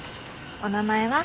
お名前は？